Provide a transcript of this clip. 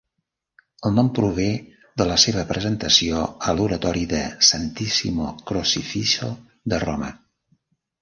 El nom prové de la seva presentació a l'Oratori de Santissimo Crocifisso de Roma.